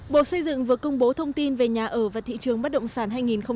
bộ xây dựng vừa công bố thông tin về nhà ở và thị trường bất động sản hai nghìn một mươi chín